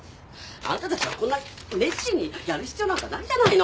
あんたたちはこんなに熱心にやる必要なんかないじゃないの！